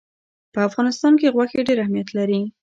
په افغانستان کې غوښې ډېر اهمیت لري.